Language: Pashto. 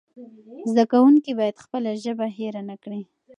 زده کوونکي باید خپله ژبه هېره نه کړي.